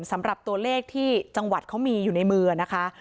สำหรับตัวเลขที่จังหวัดเขามีอยู่ในมือนะคะ